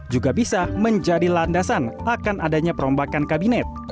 juga bisa menjadi landasan akan adanya perombakan kabinet